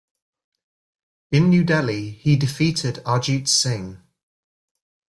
In New Delhi he defeated Arjit Singh.